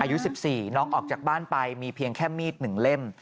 อายุ๑๔น้องออกจากบ้านไปมีเพียงแค่มีด๑เล่ม